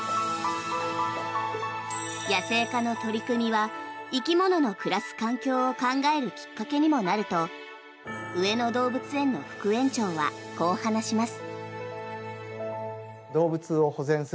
野生化の取り組みは生き物の暮らす環境を考えるきっかけにもなると上野動物園の副園長はこう話します。